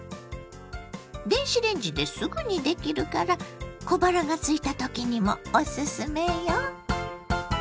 電子レンジですぐにできるから小腹がすいた時にもおすすめよ。